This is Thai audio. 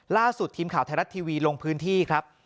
ล่าสุดทีมข่าวไทยรัฐทีวีลงพื้นที่ครับ